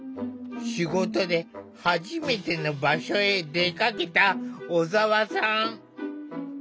仕事で初めての場所へ出かけた小澤さん。